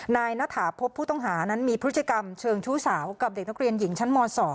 ณฐาพบผู้ต้องหานั้นมีพฤติกรรมเชิงชู้สาวกับเด็กนักเรียนหญิงชั้นม๒